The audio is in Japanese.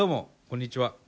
こんにちは。